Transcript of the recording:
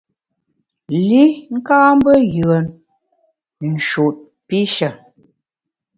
Li ka mbe yùen, nshut pishe.